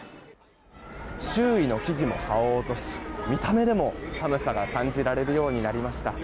周囲の木々も葉を落とし見た目でも寒さが感じられるようになりました。